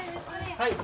はい。